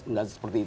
tidak seperti itu